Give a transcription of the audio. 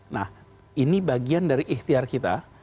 nah ini bagian dari ikhtiar kita